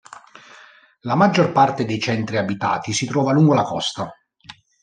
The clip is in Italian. La maggior parte dei centri abitati si trova lungo la costa.